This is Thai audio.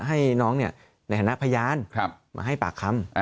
ให้น้องในฐานะพยานมาให้ปากคำ